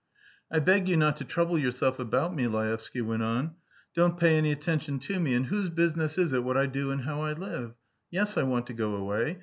"I beg you not to trouble yourself about me," Laevsky went on. "Don't pay any attention to me, and whose business is it what I do and how I live? Yes, I want to go away.